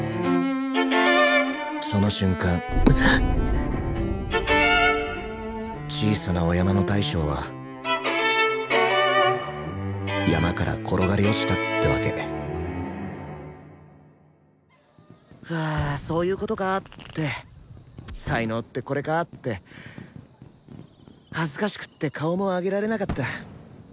その瞬間小さなお山の大将は山から転がり落ちたってわけ「うわそういうことか」って「才能ってこれか！」って恥ずかしくって顔も上げられなかった。